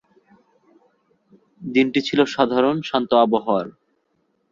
দিনটি ছিল সাধারণ, শান্ত আবহাওয়ার।